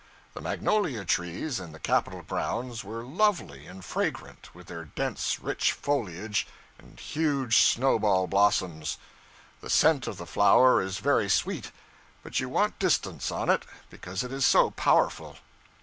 The magnolia trees in the Capitol grounds were lovely and fragrant, with their dense rich foliage and huge snow ball blossoms. The scent of the flower is very sweet, but you want distance on it, because it is so powerful.